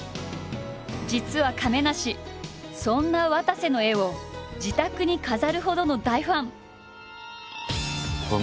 実は亀梨そんなわたせの絵を自宅に飾るほどの大ファン！